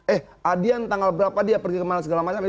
eh adian tanggal berapa dia pergi kemana segala macam